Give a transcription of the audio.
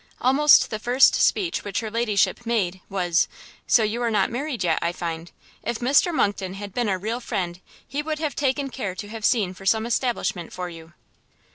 Almost the first speech which her ladyship made, was "So you are not married yet, I find; if Mr Monckton had been a real friend, he would have taken care to have seen for some establishment for you."